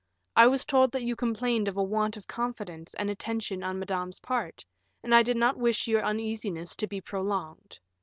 I was told that you complained of a want of confidence and attention on Madame's part, and I did not wish your uneasiness to be prolonged.